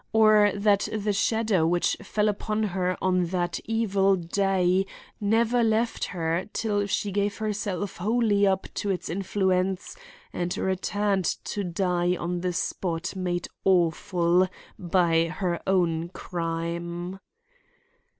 Or that the shadow which fell upon her on that evil day never left her till she gave herself wholly up to its influence and returned to die on the spot made awful by her own crime.